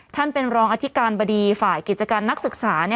ท่านเป็นรองอธิการบดีฝ่ายกิจการนักศึกษา